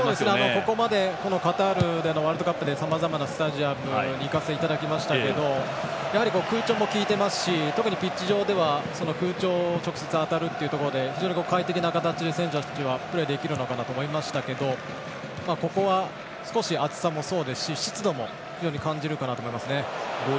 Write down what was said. ここまでカタールでのワールドカップでさまざまなスタジアムに行かせていただきましたけどやはり、空調も効いていますし特にピッチ上ではその空調が直接当たるということで非常に快適な環境で選手たちはプレーできるかなと感じましたがここは少し、暑さもそうですし湿度も非常に感じるかなと思います。